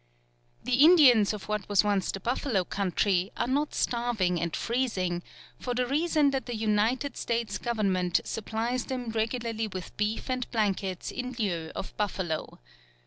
The Indians of what was once the buffalo country are not starving and freezing, for the reason that the United States Government supplies them regularly with beef and blankets in lieu of buffalo.